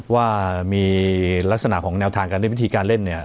ว่ามีลักษณะของแนวทางการด้วยวิธีการเล่นเนี่ย